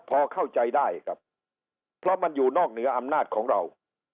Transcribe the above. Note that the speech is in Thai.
พอเข้าใจได้ครับเพราะมันอยู่นอกเหนืออำนาจของเรา